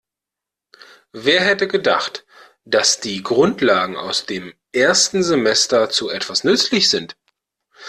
Wer hätte gedacht, dass die Grundlagen aus dem ersten Semester zu etwas nützlich sind?